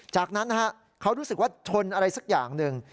จากนั้นเขารู้สึกว่าชนอะไรสักอย่างหนึ่ง